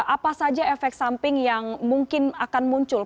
apa saja efek samping yang mungkin akan muncul